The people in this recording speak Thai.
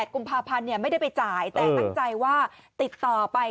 กุมภาพันธ์ไม่ได้ไปจ่ายแต่ตั้งใจว่าติดต่อไป